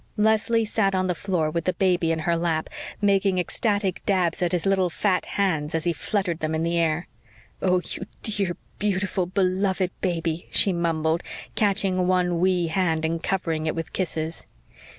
Leslie sat on the floor with the baby in her lap, making ecstatic dabs at his fat little hands as he fluttered them in the air. "Oh, you dear, beautiful, beloved baby," she mumbled, catching one wee hand and covering it with kisses.